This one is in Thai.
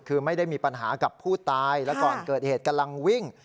คือไม่ได้มีปัญหากับผู้ตายและก่อนเกิดเหตุกำลังวิ่ง